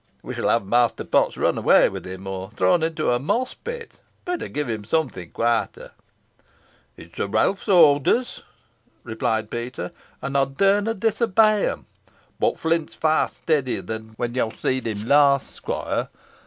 We shall have Master Potts run away with, or thrown into a moss pit. Better give him something quieter." "It's Sir Roaph's orders," replied Peter, "an ey darna disobey 'em. Boh Flint's far steadier than when yo seed him last, squoire.